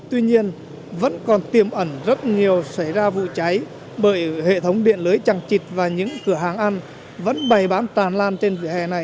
tuy nhiên vẫn còn tiềm ẩn rất nhiều xảy ra vụ cháy bởi hệ thống điện lưới trăng trịt và những cửa hàng ăn vẫn bày bán tràn lan trên vỉa hè này